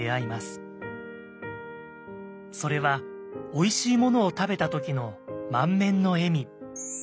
それはおいしいものを食べた時の満面の笑み。